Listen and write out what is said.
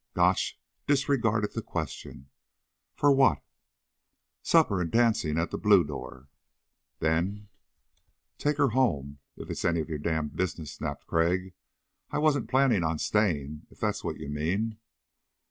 Gotch disregarded the question. "For what?" "Supper and dancing at the Blue Door." "Then?" "Take her home, if it's any of your damned business," snapped Crag. "I wasn't planning on staying, if that's what you mean."